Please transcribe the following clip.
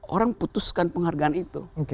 orang putuskan penghargaan itu